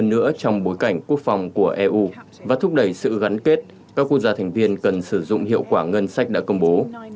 hơn nữa trong bối cảnh quốc phòng của eu và thúc đẩy sự gắn kết các quốc gia thành viên cần sử dụng hiệu quả ngân sách đã công bố